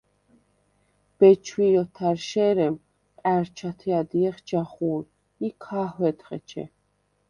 ბეჩვი̄ ოთარშე̄რემ ყა̈რჩათე ადჲეხ ჯახუ̄ლ ი ქა̄ჰვედხ ეჩე.